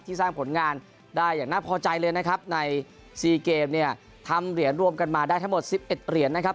สร้างผลงานได้อย่างน่าพอใจเลยนะครับใน๔เกมเนี่ยทำเหรียญรวมกันมาได้ทั้งหมด๑๑เหรียญนะครับ